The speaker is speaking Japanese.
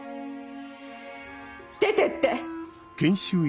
出てって！